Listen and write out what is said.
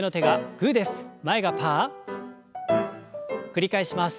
繰り返します。